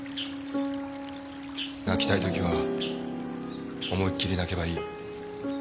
泣きたいときは思いっ切り泣けばいい。